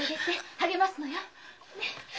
励ますのよ。